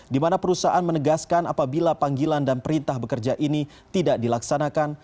di mana perusahaan menegaskan apabila panggilan dan perintah bekerja ini tidak dilaksanakan